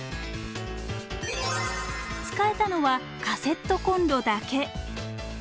使えたのはカセットコンロだけ。